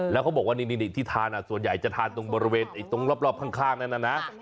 แล้วเขาบอกว่านี่ที่ทานส่วนใหญ่จะทานตรงบริเวณตรงรอบข้างนั่นน่ะนะ